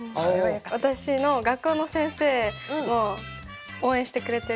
私の学校の先生も応援してくれてるんですけど。